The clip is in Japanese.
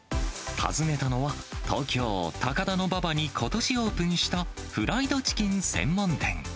訪ねたのは、東京・高田馬場にことしオープンした、フライドチキン専門店。